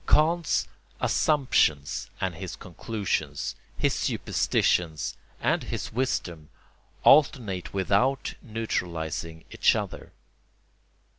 Kant's assumptions and his conclusions, his superstitions and his wisdom, alternate without neutralising each other.